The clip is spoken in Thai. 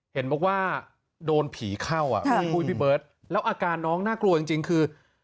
เห็นบอกว่าโดนผีเข้าอ่ะพี่ปุ้ยพี่เบิร์ตแล้วอาการน้องน่ากลัวจริงคือ